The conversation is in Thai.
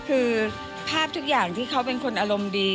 คือภาพทุกอย่างที่เขาเป็นคนอารมณ์ดี